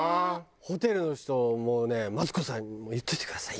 ホテルの人もうね「マツコさんにも言っといてください」